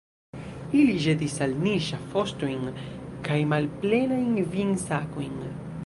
Ili ĵetis al ni ŝafostojn kaj malplenajn vinsakojn.